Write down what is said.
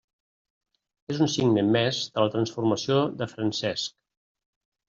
És un signe més de la transformació de Francesc.